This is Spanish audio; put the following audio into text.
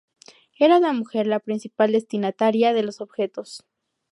Era la mujer la principal destinataria de los objetos.